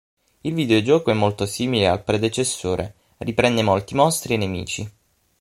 Il videogioco è molto simile al predecessore, riprende molti mostri e nemici.